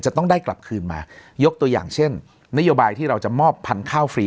จะต้องได้กลับคืนมายกตัวอย่างเช่นนโยบายที่เราจะมอบพันธุ์ข้าวฟรี